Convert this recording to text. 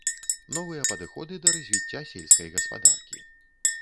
Новыя падыходы да развіцця сельскай гаспадаркі.